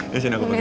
ya sini aku pakein